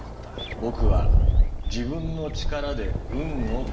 僕は自分の力で運を変えた。